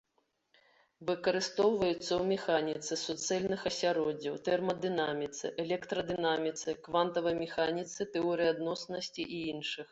Выкарыстоўваюцца ў механіцы суцэльных асяроддзяў, тэрмадынаміцы, электрадынаміцы, квантавай механіцы, тэорыі адноснасці і іншых.